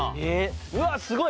うわすごい！